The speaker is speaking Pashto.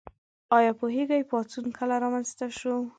ایا پوهیږئ پاڅون کله رامنځته شو؟